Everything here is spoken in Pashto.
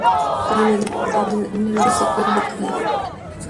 قومونه د افغانستان د انرژۍ سکتور برخه ده.